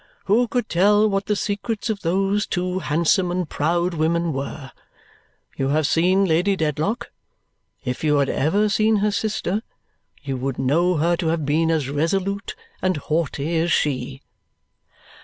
Who could tell what the secrets of those two handsome and proud women were! You have seen Lady Dedlock. If you had ever seen her sister, you would know her to have been as resolute and haughty as she."